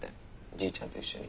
じいちゃんと一緒に。